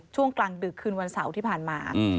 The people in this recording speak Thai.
ช่วงกลางดึกคืนวันเสาร์ที่ผ่านมา